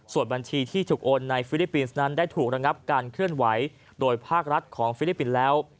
ส่วนบัญชีที่ถูกโอนในฟิลิปปินส์นั้นได้ถูกระงับการเคลื่อนไหวโดยภาครัฐของฟิลิปปินส์แล้ว